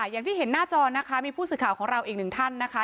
อย่างที่เห็นหน้าจอนะคะมีผู้สื่อข่าวของเราอีกหนึ่งท่านนะคะ